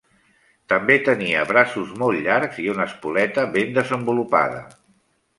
També tenia braços molt llargs i una espoleta ben desenvolupada.